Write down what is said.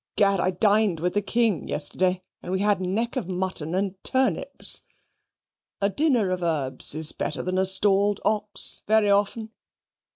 Gad! I dined with the King yesterday, and we had neck of mutton and turnips. A dinner of herbs is better than a stalled ox very often.